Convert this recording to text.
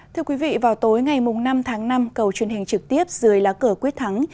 thưa quý vị vào tối ngày năm tháng năm cầu truyền hình trực tiếp dưới lá cờ quyết thắng